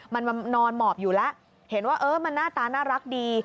มันนอนหมอบอยู่แล้วเห็นว่าเออมันหน้าตาน่ารักดี